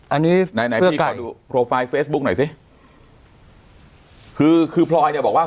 อันนี้ไหนไหนพี่ขอดูโปรไฟล์เฟซบุ๊กหน่อยสิคือคือพลอยเนี่ยบอกว่า